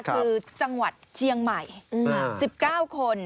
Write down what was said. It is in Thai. คือจังหวัดเชียงใหม่๑๙คน